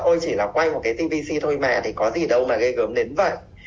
ôi chỉ là quay một cái tvc thôi mà thì có gì đâu mà gây gớm đến vậy